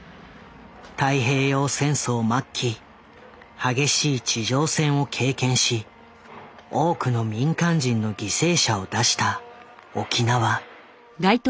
太平洋戦争末期激しい地上戦を経験し多くの民間人の犠牲者を出した沖縄。